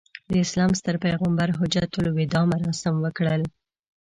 د اسلام ستر پیغمبر حجته الوداع مراسم وکړل.